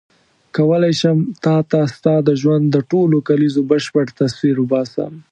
کولای شم تا ته ستا د ژوند د ټولو کلیزو بشپړ تصویر وباسم.